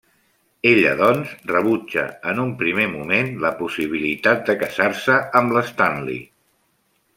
Ella doncs, rebutja en un primer moment la possibilitat de casar-se amb l'Stanley.